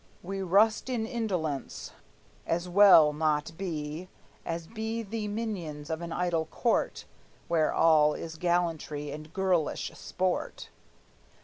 We rust in indolence. As well not be, As be the minions of an idle court Where all is gallantry and girlish sport!